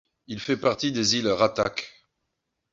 Il fait partie des îles Ratak.